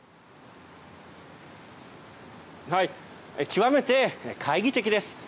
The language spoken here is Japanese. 極めて懐疑的です。